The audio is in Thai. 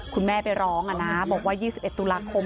คุณแม่ไปร้องบอกว่า๒๑ตุลาคม